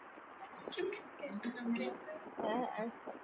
katika Afrika Mashariki na Afrika ya kati